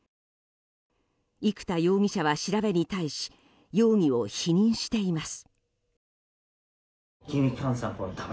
生田容疑者は調べに対し容疑を否認しています。